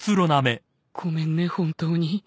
ごめんね本当に。